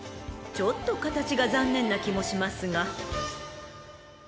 ［ちょっと形が残念な気もしますが］